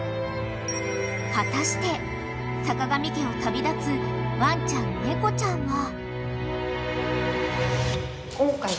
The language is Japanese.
［果たして坂上家を旅立つワンちゃん猫ちゃんは？］